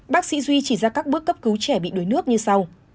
bác sĩ duy chỉ ra các bước cấp cứu trẻ bị đuối nước như sau